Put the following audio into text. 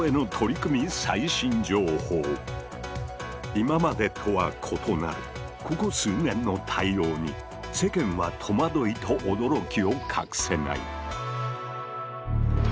今までとは異なるここ数年の対応に世間は戸惑いと驚きを隠せない。